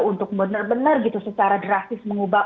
untuk benar benar gitu secara drastis mengubah